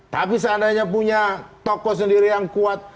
tapi seandainya punya tokoh sendiri yang kuat